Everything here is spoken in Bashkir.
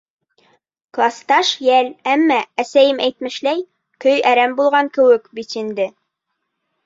Класташ йәл, әммә, әсәйем әйтмешләй, көй әрәм булған кеүек бит инде.